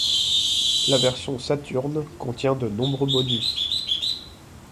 La version Saturn contient de nombreux bonus.